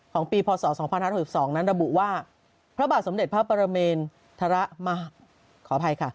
ของปีพศ๒๐๒๒นั้นระบุว่า